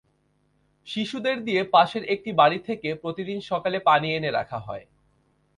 শিশুদের দিয়ে পাশের একটি বাড়ি থেকে প্রতিদিন সকালে পানি এনে রাখা হয়।